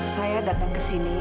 saya datang kesini